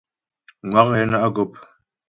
Ŋwa' ghɛ ná' gɔ́p.